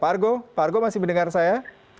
pak argo masih mendengar saya